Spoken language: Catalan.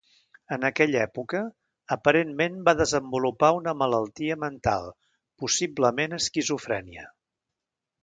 En aquella època, aparentment va desenvolupar una malaltia mental, possiblement esquizofrènia.